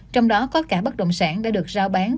trong đó có cả bất động sản đã được giao bán